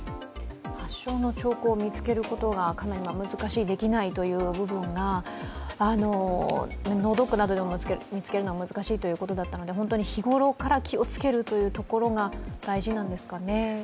発祥の兆候を見つけることが難しい、できないという部分が脳ドックなどでも見つけるのが難しいということだったので、日頃から気をつけるというところが大事なんですかね。